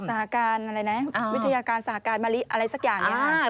สาการอะไรนะวิทยาการสหการมะลิอะไรสักอย่างนี้